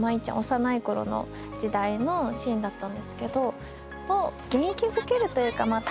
幼い頃の時代のシーンだったんですけど元気づけるというかまあ